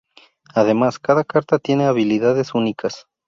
Además, cada carta tiene habilidades únicas.